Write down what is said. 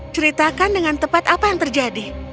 ceritakan dengan tepat apa yang terjadi